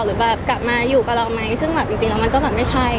หรือแบบกลับมาอยู่กับเราไหมซึ่งแบบจริงแล้วมันก็แบบไม่ใช่